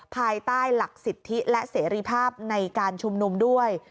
ภายใต้หลักสิทธิและเสรีภาพในการชุมนุมด้วย